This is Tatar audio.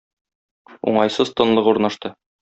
Уңайсыз тынлык урнашты.